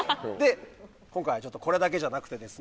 今回はこれだけじゃなくてですね。